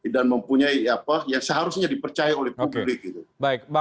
dan mempunyai apa yang seharusnya dipercaya orang